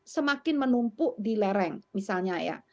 semakin menumpuk di lereng misalnya ya